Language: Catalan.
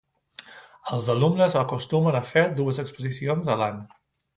Els alumnes acostumen a fer dues exposicions a l'any.